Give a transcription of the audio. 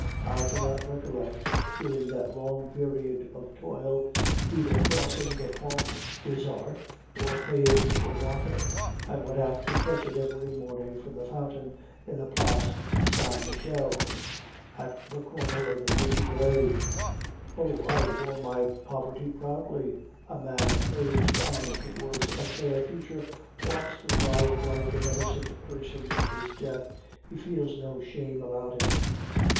I cannot recollect, during that long period of toil, either crossing the Pont des Arts, or paying for water; I went out to fetch it every morning from the fountain in the Place Saint Michel, at the corner of the Rue de Gres. Oh, I wore my poverty proudly. A man urged on towards a fair future walks through life like an innocent person to his death; he feels no shame about it.